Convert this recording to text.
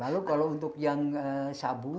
lalu kalau untuk yang sabu